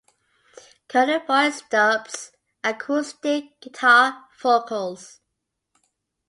Curly Boy Stubbs: acoustic guitar, vocals.